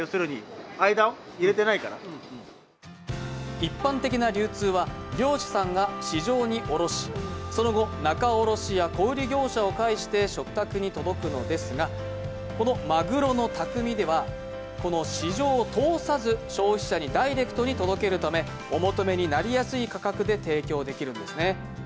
一般的な流通は漁師さんが市場に卸し、その後、仲卸や小売業者を介して食卓に届くのですがこの鮪匠では市場を通さず消費者にダイレクトに届けるためお求めになりやすい価格で提供できるんですね。